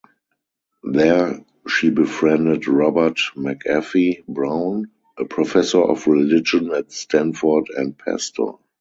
There she befriended Robert McAfee Brown, a professor of religion at Stanford and pastor.